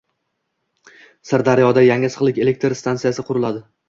Sirdaryoda yangi issiqlik elektr stansiyasi quriladi